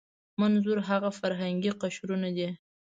منظور هغه فرهنګي قشرونه دي.